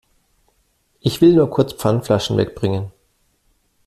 Ich will nur kurz Pfandflaschen wegbringen.